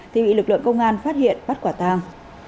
thì bị lực lượng công an phát hiện bắt quả tàng